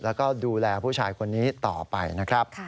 แล้วก็ดูแลผู้ชายคนนี้ต่อไปนะครับ